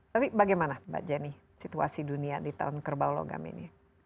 tapi bagaimana mbak jenny situasi dunia di tahun kerbau logam ini